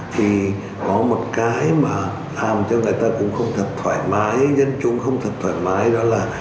thì có một cái mà làm cho người ta cũng không thật thoải mái dân chung không thật thoải mái đó là